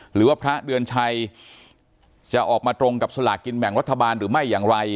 หรือว่าพระเดือนชัยจะออกมาตรงกับสลากกินแบ่งรัฐบาลหรือไม่อย่างไร